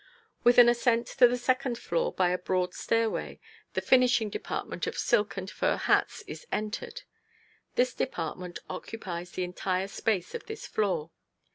With an ascent to the second floor by a broad stairway, the "finishing" department of silk and fur hats is entered; this department occupies the entire space of this floor.